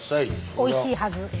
おいしいはず。